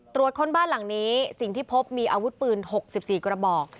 คนบ้านหลังนี้สิ่งที่พบมีอาวุธปืน๖๔กระบอก